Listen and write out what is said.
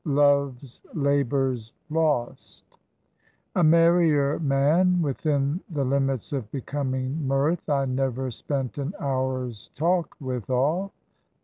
Love's Labour's Lost. "A merrier man, Within the limits of becoming mirth, I never spent an hour's talk withal."